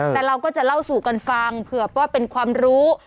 แต่เราก็จะเล่าสู่กันฟังเผื่อว่าเป็นความรู้